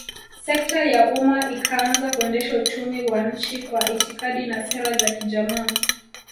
Sekta ya umma ikaanza kuendesha uchumi wa nchi Kwa itikadi na sera za kijamaa